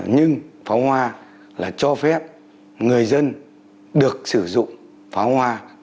nhưng pháo hoa là cho phép người dân được sử dụng pháo hoa